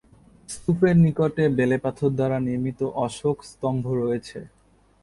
স্তূপের নিকটে বেলেপাথর দ্বারা নির্মিত অশোক স্তম্ভ রয়েছে।